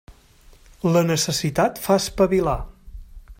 La necessitat fa espavilar.